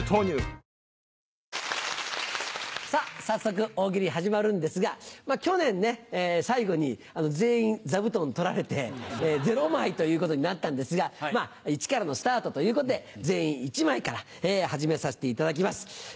早速大喜利始まるんですが去年最後に全員座布団取られて０枚ということになったんですがイチからのスタートということで全員１枚から始めさせていただきます。